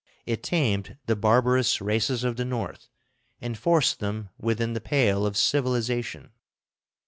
It tamed the barbarous races of the North and forced them within the pale of civilization.